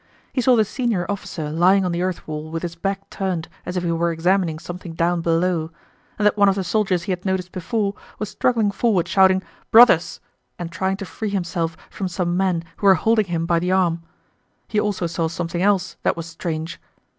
He saw the senior officer lying on the earth wall with his back turned as if he were examining something down below and that one of the soldiers he had noticed before was struggling forward shouting "Brothers!" and trying to free himself from some men who were holding him by the arm. He also saw something else that was strange.